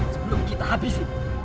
sebelum kita habisin